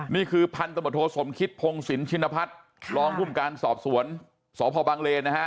นี่คือพันธุบัตรโทษสมคิดพงศิลป์ชินภัทรรองคุมการสอบสวนสภบางเลนะฮะ